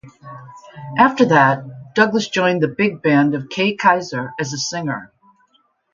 After that, Douglas joined the big band of Kay Kyser as a singer.